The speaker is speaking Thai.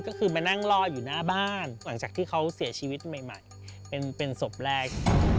ก็คือมานั่งรออยู่หน้าบ้านหลังจากที่เขาเสียชีวิตใหม่เป็นศพแรก